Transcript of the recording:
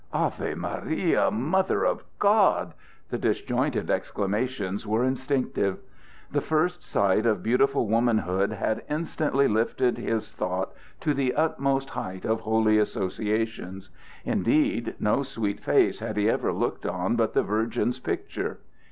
"Ave Maria! Mother of God!" The disjointed exclamations were instinctive. The first sight of beautiful womanhood had instantly lifted his thought to the utmost height of holy associations. Indeed, no sweet face had he ever looked on but the Virgin's picture.